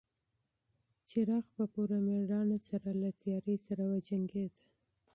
څراغ په پوره مېړانه سره له تیارې سره وجنګېد.